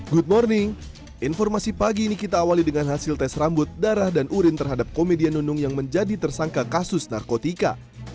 good morning informasi pagi ini kita awali dengan hasil tes rambut darah dan urin terhadap komedian nunung yang menjadi tersangka kasus narkotika